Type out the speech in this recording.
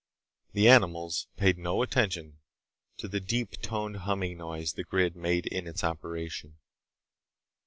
The animals paid no attention to the deep toned humming noise the grid made in its operation.